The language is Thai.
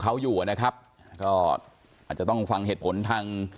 เขาอยู่นะครับก็อาจจะต้องฟังเหตุผลทาง